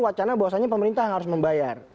wacana bahwasannya pemerintah yang harus membayar